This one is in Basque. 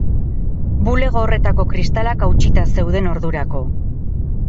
Bulego horretako kristalak hautsita zeuden ordurako.